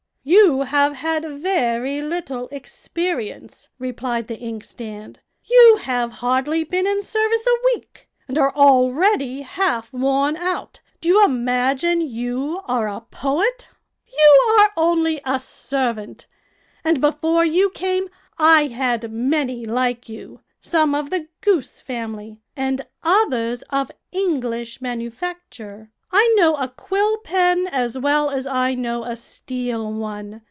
"You have had very little experience," replied the inkstand. "You have hardly been in service a week, and are already half worn out. Do you imagine you are a poet? You are only a servant, and before you came I had many like you, some of the goose family, and others of English manufacture. I know a quill pen as well as I know a steel one.